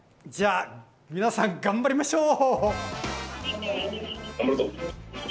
じゃあ皆さん頑張りましょう！